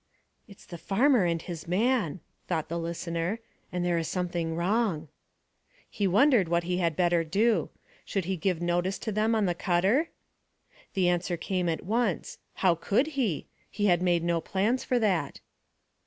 "It's the farmer and his man," thought the listener; "and there is something wrong." He wondered what he had better do. Should he give notice to them on the cutter? The answer came at once. How could he? He had made no plans for that.